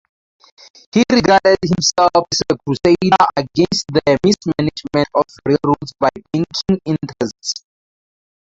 He regarded himself as a crusader against the mismanagement of railroads by banking interests.